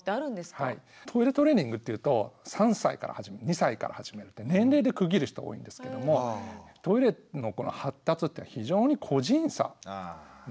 トイレトレーニングっていうと３歳から始める２歳から始めるって年齢で区切る人多いんですけれどもトイレの発達というのは非常に個人差が大きいんですよね。